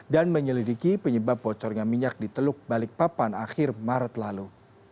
dan menyelidiki penyebab bocornya minyak di teluk balikpapan akhir maret lalu